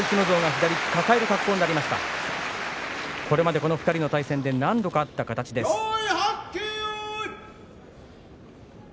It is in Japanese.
これまでこの２人の対戦で何度もあった形です。